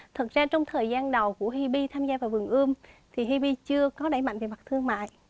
thật ra trong thời gian đầu của hip tham gia vào vườn ươm thì hip chưa có đẩy mạnh về mặt thương mại